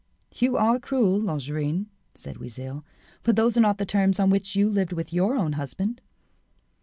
"You are cruel, Longarine," said Oisille, "but those are not the terms on which you lived with your own husband."